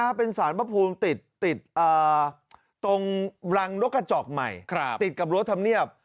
นี่นะเป็นสารพระภูมิติดตรงรังรกจอกใหม่ติดกับรถธรรมเนียบ